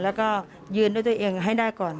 แล้วก็ยืนด้วยตัวเองให้ได้ก่อน